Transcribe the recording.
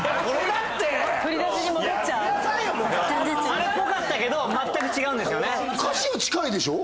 それっぽかったけど全く違うんですよね。